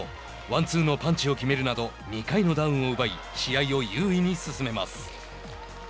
ワンツーのパンチを決めるなど２回のダウンを奪い試合を優位に進めます。